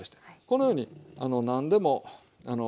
このように何でも。